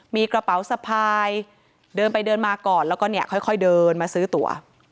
มีกระเป๋าสะพายเดินไปเดินมาก่อนแล้วก็เนี่ยค่อยเดินมาซื้อตัว